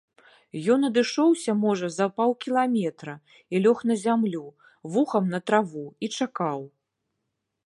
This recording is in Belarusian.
Ён адышоўся можа за паўкіламетра, і лёг на зямлю, вухам на траву, і чакаў.